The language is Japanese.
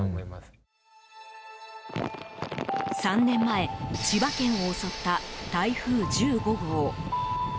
３年前、千葉県を襲った台風１５号。